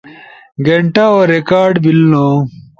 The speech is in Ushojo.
گینٹاؤ ریکارڈ بیلنو